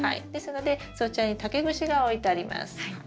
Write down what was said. ですのでそちらに竹串が置いてあります。